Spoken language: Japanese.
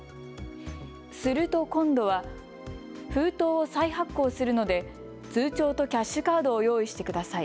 すると今度は封筒を再発行するので通帳とキャッシュカードを用意してください。